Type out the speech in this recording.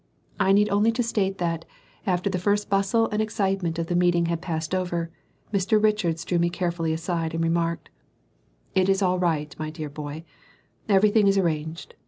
I need only state that, after the first bustle and excitement of the meeting had passed over, Mr Richards drew me carefully aside and remarked "It is all right, my dear boy; everything is arranged.